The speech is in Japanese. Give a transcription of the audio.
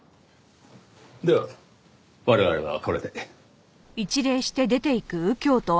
では我々はこれで。